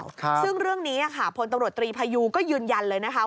ซึ่งเรื่องนี้ค่ะพลตำรวจตรีพยูก็ยืนยันเลยนะคะ